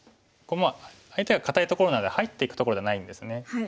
こう相手が堅いところなので入っていくところではないんですね。